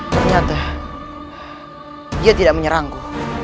ternyata dia tidak menyerangku